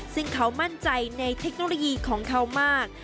ซึ่งเขามั่นใจในเทคโนโลยีของเขามาก